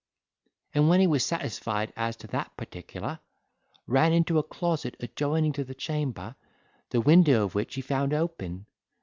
And when he was satisfied as to that particular, ran into a closet adjoining to the chamber, the window of which he found open.